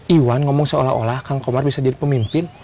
iwan ngomong seolah olah kang komar bisa jadi pemimpin